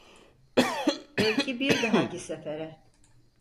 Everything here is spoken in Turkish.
Belki bir dahaki sefere.